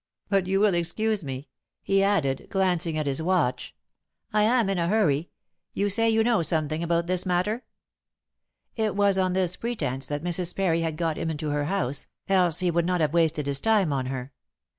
But you will excuse me," he added, glancing at his watch, "I am in a hurry. You say you know something about this matter?" It was on this pretence that Mrs. Parry had got him into her house, else he would not have wasted his time on her.